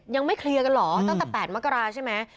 ยังไม่เคลียร์กันเหรอตั้งแต่๘มกราใช่ไหม